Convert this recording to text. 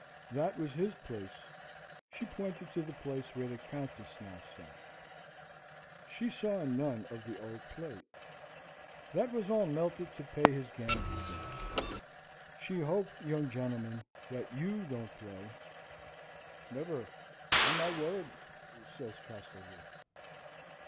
"That was his place," she pointed to the place where the Countess now sat. She saw none of the old plate. That was all melted to pay his gambling debts. She hoped, "Young gentlemen, that you don't play." "Never, on my word," says Castlewood.